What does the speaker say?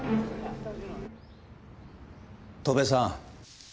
戸辺さん。